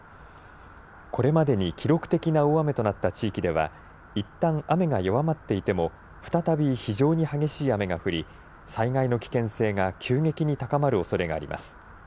これまでに記録的な大雨となった地域ではいったん雨が弱まっていても再び非常に激しい雨が降り災害の危険性が急激に高まるおそれがあります。